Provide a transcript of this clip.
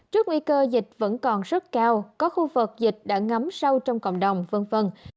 trước nguy cơ dịch vẫn còn rất cao có khu vực dịch đã ngấm sâu trong cộng đồng v v